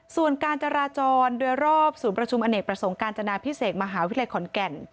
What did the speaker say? ส่วนการจราจรโดยรอบศูนย์ประชุมอเนกประสงค์การจนาพิเศษมหาวิทยาลัยขอนแก่น